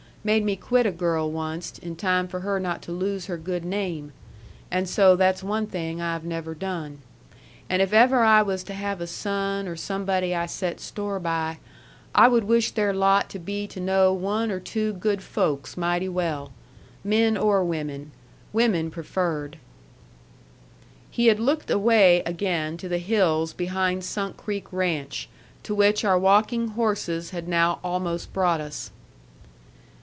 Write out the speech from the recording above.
Made me quit a girl onced in time for her not to lose her good name. And so that's one thing I have never done. And if ever I was to have a son or somebody I set store by, I would wish their lot to be to know one or two good folks mighty well men or women women preferred." He had looked away again to the hills behind Sunk Creek ranch, to which our walking horses had now almost brought us.